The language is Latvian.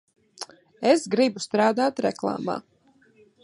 Es gribu strādāt reklāmā.